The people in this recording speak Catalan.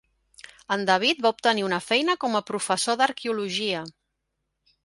En David va obtenir una feina com a professor d'arqueologia.